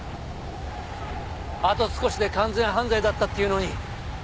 あと少しで完全犯罪だったっていうのに！